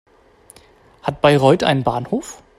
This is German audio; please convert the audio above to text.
Hat Bayreuth einen Bahnhof?